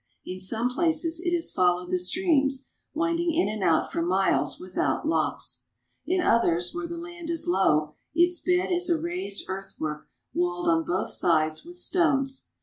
In some places it has followed the streams, winding in and out for miles without locks. In others, where the land is low, its bed is a raised earthwork walled on both sides with stones.